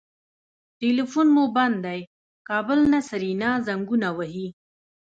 ټليفون مو بند دی کابل نه سېرېنا زنګونه وهي.